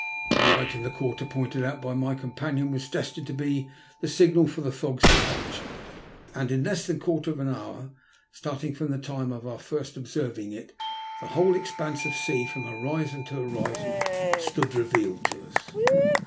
The light in the quarter pointed out by my com panion was destined to be the signal for the fog's departure, and in less than a quarter of an hour, starting from the time of our first observing it, the whole expanse of sea, from horizon to horizon, stood revealed to us.